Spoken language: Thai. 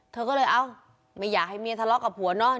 เธอก็เลยเอ้าไม่อยากให้เมียทะเลาะกับผัวเนอะ